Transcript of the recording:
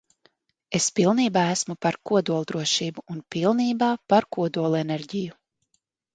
Es pilnībā esmu par kodoldrošību un pilnībā par kodolenerģiju.